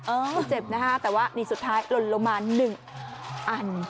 เออเจ็บนะคะแต่ว่านี่สุดท้ายหล่นลงมาหนึ่งอัน